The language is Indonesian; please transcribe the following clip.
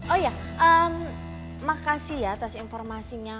oh ya makasih ya atas informasinya